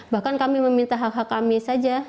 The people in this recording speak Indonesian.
bahkan kami meminta hak hak kami saja